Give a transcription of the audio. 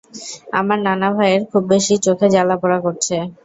আমার নানা ভাইয়ের খুব বেশি চোখে জ্বালা-পোড়া করছে।